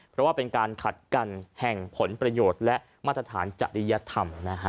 เพราะว่าเป็นการขัดกันแห่งผลประโยชน์และมาตรฐานจริยธรรมนะฮะ